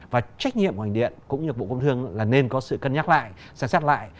và trách nhiệm của hành điện cũng như bộ công thương là nên có sự cân nhắc lại xem xét lại